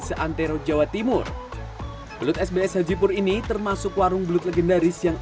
seantara jawa timur belut sbs haji pur ini termasuk warung belut legendaris yang